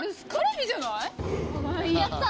やった！